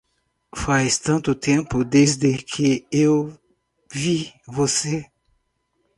Faz tanto tempo desde que eu vi você!